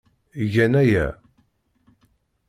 Gan aya.